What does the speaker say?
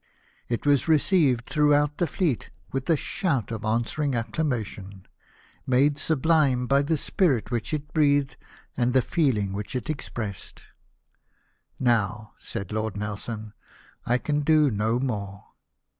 " It was received throughout the fleet with a shout of answering accla mation, made sublime by the spirit which it breathed and the feeling which it expressed. " Now," said Lord Nelson, " I can do no more.